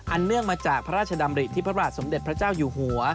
เนื่องมาจากพระราชดำริที่พระบาทสมเด็จพระเจ้าอยู่หัว